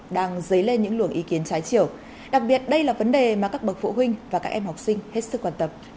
đang dấy lên những luồng ý kiến trái chiều đặc biệt đây là vấn đề mà các bậc phụ huynh và các em học sinh hết sức quan tâm